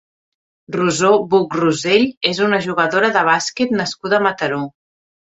Rosó Buch Rosell és una jugadora de bàsquet nascuda a Mataró.